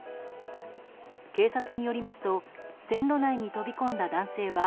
警察によりますと線路内に飛び込んだ男性は